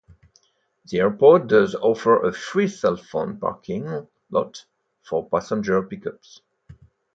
The airport does offer a free cell phone parking lot for passenger pickups.